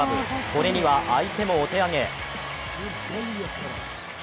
これには相手もお手上げ。